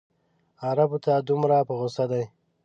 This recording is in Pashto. عربو ته دومره په غوسه دی.